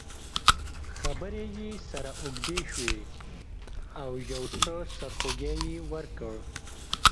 خبرې یې سره اوږدې شوې او یو څه سرخوږی یې ورکړ.